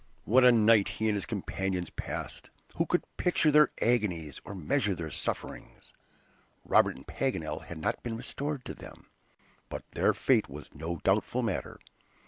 What a night he and his companions passed! Who could picture their agonies or measure their sufferings? Robert and Paganel had not been restored to them, but their fate was no doubtful matter.